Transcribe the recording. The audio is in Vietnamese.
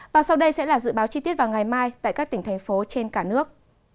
và sau đây sẽ là dự báo chi tiết vào ngày mai tại các tỉnh thành phố trên cả nước